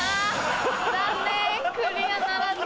残念クリアならずです。